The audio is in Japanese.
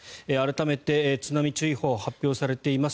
改めて、津波注意報発表されています。